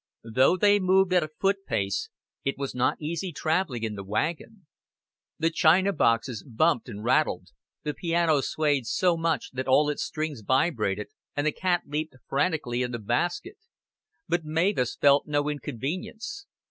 Though they moved at a foot pace, it was not easy traveling in the wagon; the china boxes bumped and rattled, the piano swayed so much that all its strings vibrated, and the cat leaped frantically in the basket; but Mavis felt no inconvenience.